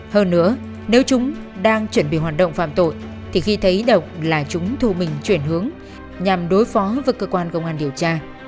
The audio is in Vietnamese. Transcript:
hơn nữa nếu chúng đang chuẩn bị hoạt động phạm tội thì khi thấy độc là chúng thu mình chuyển hướng nhằm đối phó với cơ quan công an điều tra